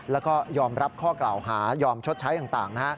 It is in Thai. แล้วก็ยอมรับข้อกล่าวหายอมชดใช้ต่าง